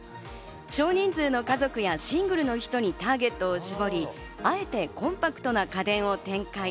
少人数の家族やシングルの人にターゲットを絞り、あえてコンパクトな家電を展開。